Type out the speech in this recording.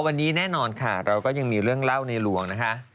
วันนี้แน่นอนค่ะเราก็ยังมีเรื่องเล่าในหลวงนะคะ